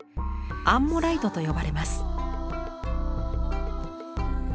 「アンモライト」と呼ばれます。